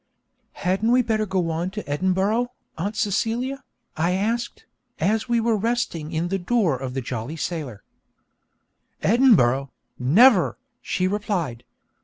'Hadn't we better go on to Edinburgh, Aunt Celia?' I asked, as we were resting in the door of the Jolly Sailor. 'Edinburgh? Never!' she replied.